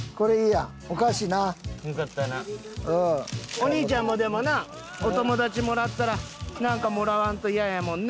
お兄ちゃんもでもなお友達もらったらなんかもらわんとイヤやもんね。